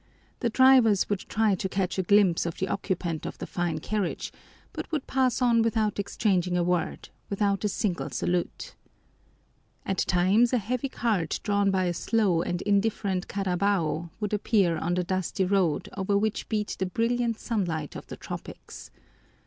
The drivers would try to catch a glimpse of the occupant of the fine carriage, but would pass on without exchanging a word, without a single salute. At times a heavy cart drawn by a slow and indifferent carabao would appear on the dusty road over which beat the brilliant sunlight of the tropics.